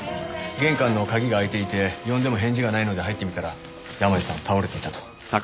玄関の鍵が開いていて呼んでも返事がないので入ってみたら山路さんが倒れていたと。